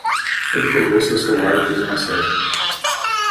Ele pegou seu celular e fez uma selfie.